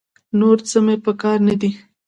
نور څه مې په کار نه دي.